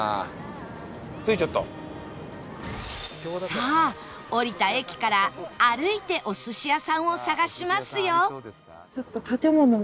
さあ降りた駅から歩いてお寿司屋さんを探しますよ